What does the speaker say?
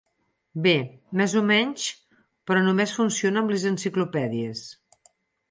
Bé, més o menys, però només funciona amb les enciclopèdies.